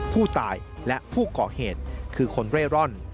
ผู้ตายและผู้ก่อเหตุคือคนเร่ร่อน